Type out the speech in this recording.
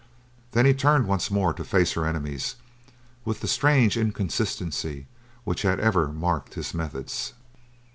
Then he turned once more to face her enemies with the strange inconsistency which had ever marked his methods.